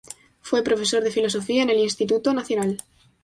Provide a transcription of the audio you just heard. Fue profesor de filosofía en el Instituto Nacional.